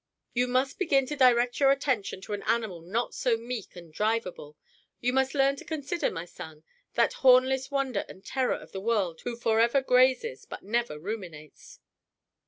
You must begin to direct your attention to an animal not so meek and drivable. You must learn to consider, my son, that hornless wonder and terror of the world who forever grazes but never ruminates!"